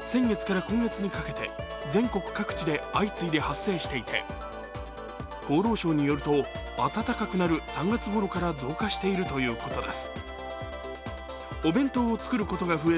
先月から今月にかけて、全国各地で相次いで発生していて、厚労省によると、暖かくなる３月ごろから増加しているということです。